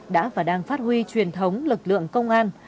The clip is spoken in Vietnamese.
đã và đang phát huy truyền thống lực lượng công an